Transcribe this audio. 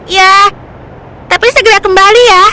ya tapi segera kembali ya